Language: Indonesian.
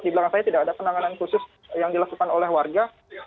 di belakang saya tidak ada penanganan khusus yang dilakukan oleh warga